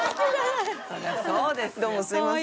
どうもすいません。